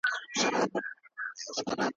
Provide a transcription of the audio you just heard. د دولت سياسي تګلارې ټوله ټولنه اغېزمنوي.